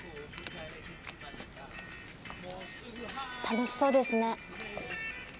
楽しそうですね。